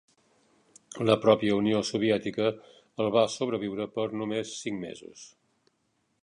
La pròpia Unió Soviètica el va sobreviure per només cinc mesos.